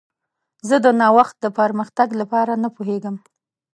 زه د نوښت د پرمختګ لپاره نه پوهیږم.